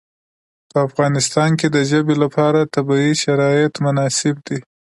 په افغانستان کې د ژبې لپاره طبیعي شرایط مناسب دي.